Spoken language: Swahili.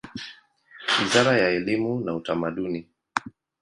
Wizara ya elimu na Utamaduni.